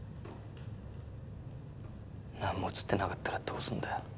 なんも映ってなかったらどうすんだよ？